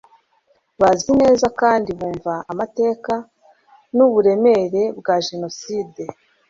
bazi neza kandi bumva amateka n uburemere bwa jenoside